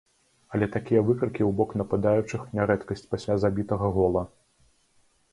Але такія выкрыкі ў бок нападаючых не рэдкасць пасля забітага гола.